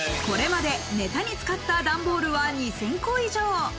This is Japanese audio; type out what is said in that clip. これまで、ネタに使った段ボールは２０００個以上。